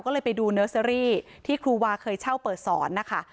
ก็เลยไปดูเนอร์เซอรี่ที่ครูวาเคยเช่าเปิดสอนนะคะ